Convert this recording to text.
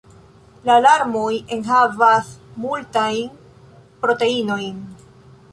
La larmoj enhavas multajn proteinojn.